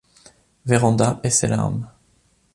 Vérand'a et ses larmes.